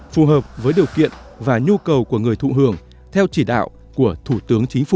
phù hợp với điều kiện và nhu cầu của người thụ hưởng theo chỉ đạo của thủ tướng chính phủ